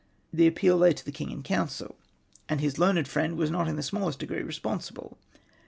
The appeal lay to the King in Council, and his learned friend was not in the smallest degree responsible.